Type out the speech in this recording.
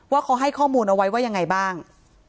ว่าเขาให้ข้อมูลเอาไว้ว่ายังไงบ้าง